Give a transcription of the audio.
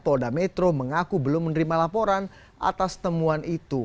polda metro mengaku belum menerima laporan atas temuan itu